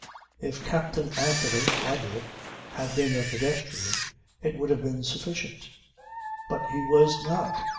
If Captain Anthony (Roderick) had been a pedestrian it would have been sufficient; but he was not.